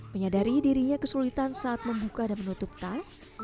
menyadari dirinya kesulitan saat membuka dan menutup tas